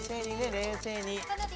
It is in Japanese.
冷静に。